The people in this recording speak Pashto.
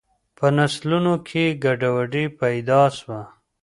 په نسلونو کي ګډوډي پیدا سوه.